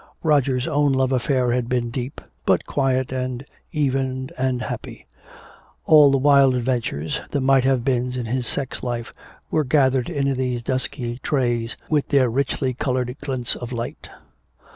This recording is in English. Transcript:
Roger's own love affair had been deep, but quiet and even and happy. All the wild adventures, the might have beens in his sex life, were gathered in these dusky trays with their richly colored glints of light.